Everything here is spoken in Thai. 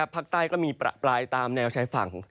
ภาคใต้ก็มีประปรายตามแนวชายฝั่ง